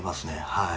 はい。